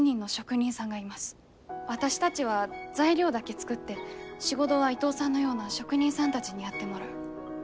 私たちは材料だけ作って仕事は伊藤さんのような職人さんたちにやってもらう。